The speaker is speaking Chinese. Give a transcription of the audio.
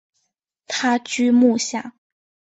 他居墓下。